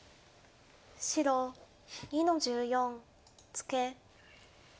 白２の十四ツケ。